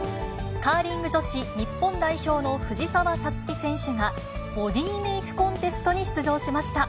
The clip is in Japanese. カーリング女子日本代表の藤澤五月選手が、ボディメイクコンテストに出場しました。